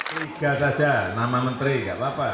tiga saja nama menteri gak apa apa